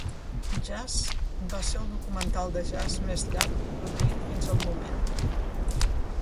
"Jazz" va ser el documental de jazz més llarg produït fins al moment.